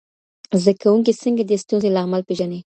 زده کوونکي څنګه د ستونزي لامل پېژني؟